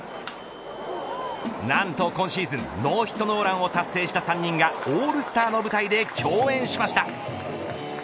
なんと今シーズンノーヒットノーランを達成した３人がオールスターの舞台で競演しました。